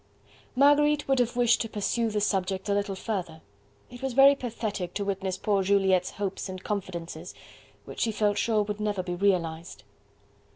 Marguerite would have wished to pursue the subject a little further. It was very pathetic to witness poor Juliette's hopes and confidences, which she felt sure would never be realised.